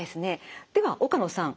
では岡野さん